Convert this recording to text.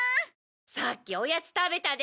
さっきおやつ食べたでしょ。